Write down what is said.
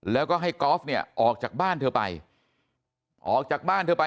แล้วก็ให้กอล์ฟเนี่ยออกจากบ้านเธอไปออกจากบ้านเธอไป